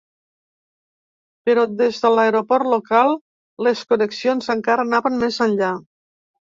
Però des de l’aeroport local les connexions encara anaven més enllà.